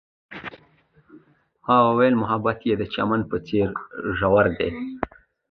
هغې وویل محبت یې د چمن په څېر ژور دی.